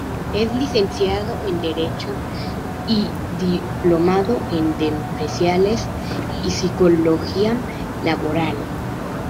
Es licenciado en derecho y diplomado en empresariales y sociología laboral.